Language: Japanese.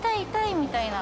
みたいな。